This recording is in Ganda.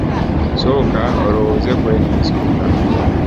Ssooka olowooze kweno ensonga.